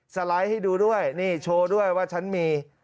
สไลด์ให้ดูด้วยนี่โชว์ด้วยว่าฉันมี